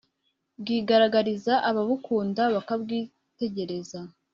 bwigaragariza ababukunda bakabwitegereza